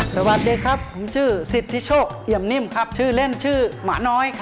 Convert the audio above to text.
สวัสดีครับฉันชื่อศิษฐิโชคเล่มนิ่มเล่นชื่อมาน้อย